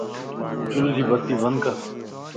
چل جي بتي بندڪر